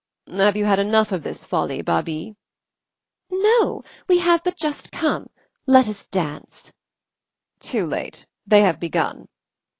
"Have you had enough of this folly, Babie?" "No, we have but just come. Let us dance." "Too late; they have begun."